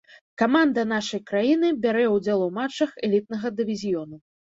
Каманда нашай краіны бярэ ўдзел у матчах элітнага дывізіёну.